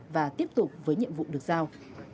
và tiếp tục với nhiệm vụ được giao